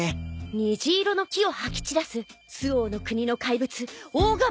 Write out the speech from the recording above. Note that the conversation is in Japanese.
虹色の気を吐き散らす周防国の怪物大蝦蟇蛙。